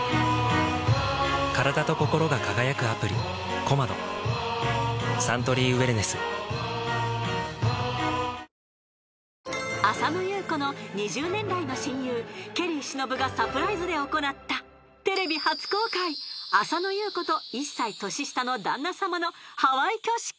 カラダとココロが輝くアプリ「Ｃｏｍａｄｏ」サントリーウエルネス［浅野ゆう子の２０年来の親友ケリー忍がサプライズで行ったテレビ初公開浅野ゆう子と１歳年下の旦那さまのハワイ挙式］